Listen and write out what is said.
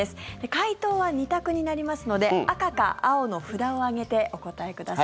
回答は２択になりますので赤か青の札を上げてお答えください。